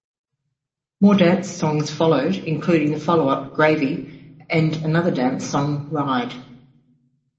More dance songs followed, including the follow-up "Gravy" and another dance song, "Ride!